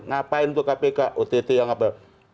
ngapain tuh kpk ott yang apa